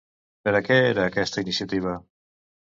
Per a què era aquesta iniciativa?